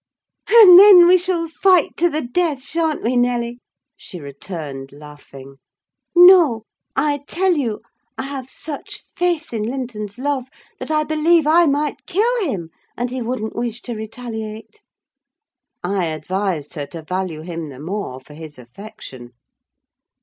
"And then we shall fight to the death, sha'n't we, Nelly?" she returned, laughing. "No! I tell you, I have such faith in Linton's love, that I believe I might kill him, and he wouldn't wish to retaliate." I advised her to value him the more for his affection.